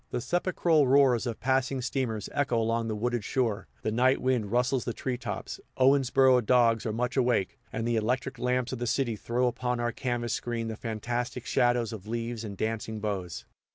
The sepulchral roars of passing steamers echo along the wooded shore, the night wind rustles the tree tops, Owensboro dogs are much awake, and the electric lamps of the city throw upon our canvas screen the fantastic shadows of leaves and dancing boughs.